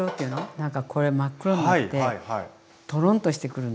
何かこれ真っ黒になってトロンとしてくるの。